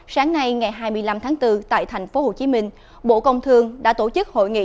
sáng nay ngày hai mươi năm tháng bốn tại tp hcm bộ công thương đã tổ chức hội nghị